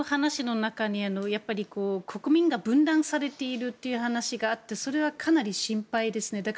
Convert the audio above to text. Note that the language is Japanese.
ただ、国民が分断されているという話が合ってそれはかなり心配ですね。